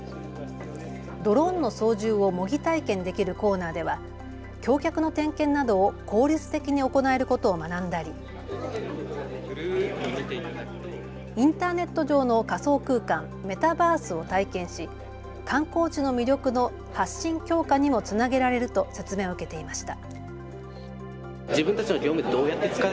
ドローンの操縦を模擬体験できるコーナーでは橋脚の点検などを効率的に行えることを学んだり、インターネット上の仮想空間メタバースを体験し観光地の魅力の発信強化にもつなげられると説明を受けていました。